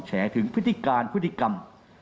แฉถึงพฤติการพฤติกรรม